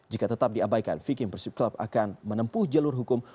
jika tetap diabaikan viking persib club akan menempuh jalur hukum